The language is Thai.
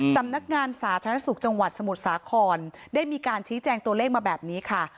สำนักงานสาธารณสุขจังหวัดสมุทรสาครได้มีการชี้แจงตัวเลขมาแบบนี้ค่ะ